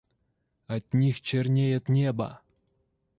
От них чернеет небо.